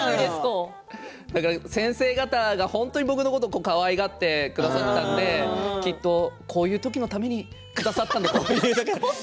先生方が本当に僕のことかわいがってくださったのできっと、こういう時のためにくださったんだと思います。